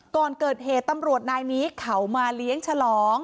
ก่อนเกิดเหตุตำรวจนายนี้เขามาเลี้ยงฉลอง